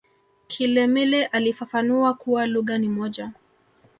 kilemile alifafanua kuwa lugha ni moja